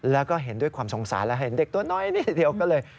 แล้วก็เห็นด้วยความสงสารและเห็นเด็กตัวน้อยนิดเดียวก็เลย